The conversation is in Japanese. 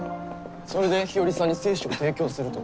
それで日和さんに精子を提供すると？